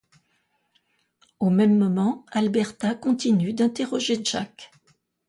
Au même moment, Alberta continue d'interroger Jack.